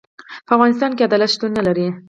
په افغانستان کي عدالت شتون نلري.